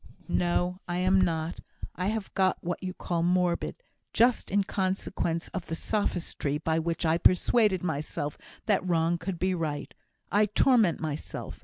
"No, I am not. I have got what you call morbid just in consequence of the sophistry by which I persuaded myself that wrong could be right. I torment myself.